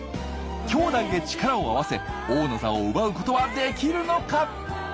兄弟で力を合わせ王の座を奪うことはできるのかところが！